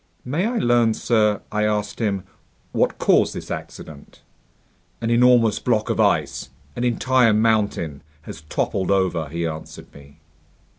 "May I learn, sir," I asked him, "what caused this accident?" "An enormous block of ice, an entire mountain, has toppled over," he answered me.